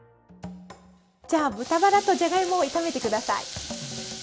じゃあ豚バラとじゃがいもを炒めて下さい。